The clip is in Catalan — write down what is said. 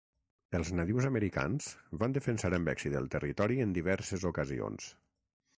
Els nadius americans van defensar amb èxit el territori en diverses ocasions.